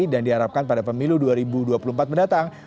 dan diharapkan pada pemilu dua ribu dua puluh empat mendatang